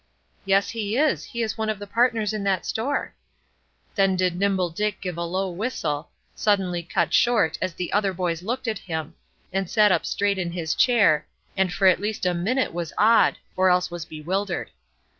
"Yes, he is; he is one of the partners in that store." Then did Nimble Dick give a low whistle, suddenly cut short, as the other boys looked at him, and sat up straight in his chair, and for at least a minute was awed; or else was bewildered.